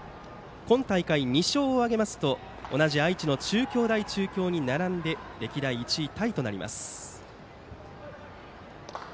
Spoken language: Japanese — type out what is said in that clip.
今大会、２勝を挙げますと同じ愛知の中京大中京に並んで歴代１位タイとなります。